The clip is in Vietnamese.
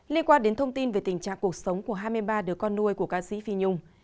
liên quan đến thông tin về tình trạng cuộc sống của hai mươi ba đứa con nuôi của ca sĩ phi nhung